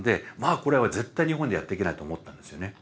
これは絶対日本でやっていけないと思ったんですよね。